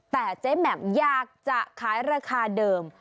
แต่เจ๊แหม่มอยากจะขายราคาเดิม